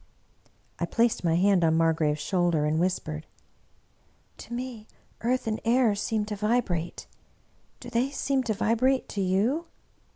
I placed my hand on Margrave^s shoulder and whispered, " To me earth and air seem to vibrate. Do they seem to vibrate to you